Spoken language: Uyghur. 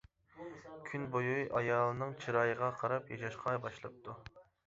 كۈن بويى ئايالىنىڭ چىرايىغا قاراپ ياشاشقا باشلاپتۇ.